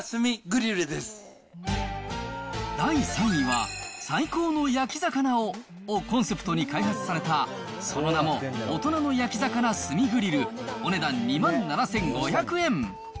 第３位は、最高の焼魚を、をコンセプトに開発された、その名も大人の焼魚炭グリル、お値段２万７５００円。